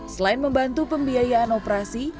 selain membantu pembiayaan operasi